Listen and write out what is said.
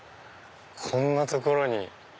こんな所に。